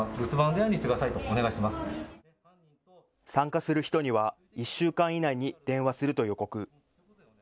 参加する人には１週間以内に電話すると予告。